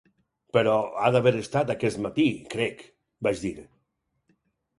"Però ha d"haver estat aquest matí, crec", vaig dir.